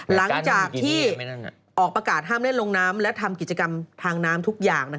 หลังจากที่ออกประกาศห้ามเล่นลงน้ำและทำกิจกรรมทางน้ำทุกอย่าง